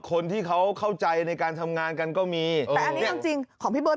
คนที่เขาเข้าใจในการทำงานกันก็มีแต่อันนี้เอาจริงของพี่เบิร์